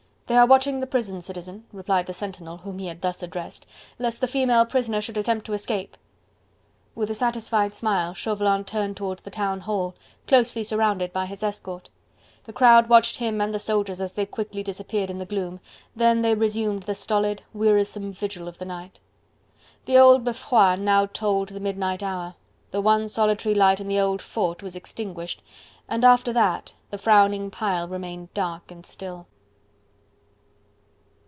"They are watching the prison, Citizen," replied the sentinel, whom he had thus addressed, "lest the female prisoner should attempt to escape." With a satisfied smile, Chauvelin turned toward the Town Hall, closely surrounded by his escort. The crowd watched him and the soldiers as they quickly disappeared in the gloom, then they resumed the stolid, wearisome vigil of the night. The old Beffroi now tolled the midnight hour, the one solitary light in the old Fort was extinguished, and after that the frowning pile remained dark and still.